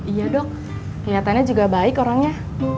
iya dok kelihatannya juga baik orangnya